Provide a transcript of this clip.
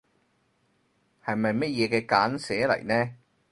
係咪咩嘢嘅簡寫嚟呢？